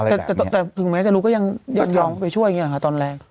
อะไรแบบเนี้ยแต่ถึงแม้จะรู้ก็ยังยังยองไปช่วยอย่างเงี้ยค่ะตอนแรก